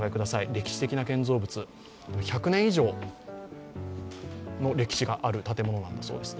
歴史的な建造物、１００年以上の歴史がある建物だそうです。